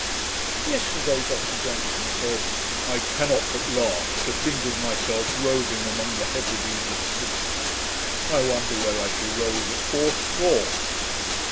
Yesterday Dr Johnson said, 'I cannot but laugh, to think of myself roving among the Hebrides at sixty. I wonder where I shall rove at fourscore!'